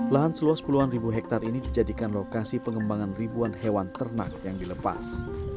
lahan seluas puluhan ribu hektare ini dijadikan lokasi pengembangan ribuan hewan ternak yang dilepas